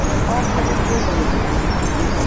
ọ bụrụ òtòrò